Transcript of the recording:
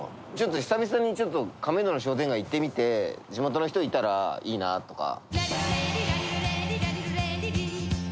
久々に亀戸の商店街行ってみて地元の人いたらいいなとか。